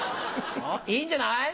いいんじゃない。